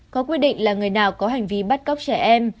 có quy định là người nào có hành vi bắt cóc trẻ em